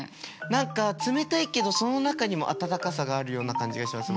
何か冷たいけどその中にも温かさがあるような感じがします。